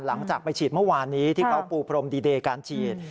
หลังจากไปฉีดเมื่อวานนี้ที่เขาปูพรมดีเดย์การฉีด